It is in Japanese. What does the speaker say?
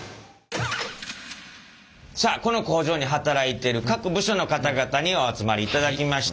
さあこの工場に働いている各部署の方々にお集まりいただきました。